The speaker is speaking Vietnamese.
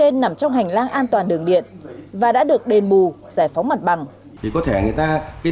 nằm trong hành lang an toàn đường điện và đã được đền bù giải phóng mặt bằng thì có thể người ta biết